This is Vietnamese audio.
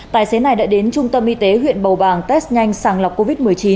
tài xế này đã đến trung tâm y tế huyện bầu bàng test nhanh sàng lọc covid một mươi chín